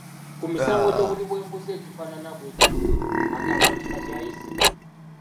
Ku misango j'obuli bweguzi egifaanana bwe giti agamba nti kati ayize.